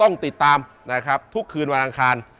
ต้องติดตามนะครับทุกคืนวันอังคาร